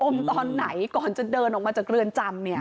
ตอนไหนก่อนจะเดินออกมาจากเรือนจำเนี่ย